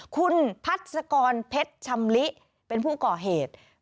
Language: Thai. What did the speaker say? คุณพัศกรเพชรชำลิเป็นผู้ก่อเหตุ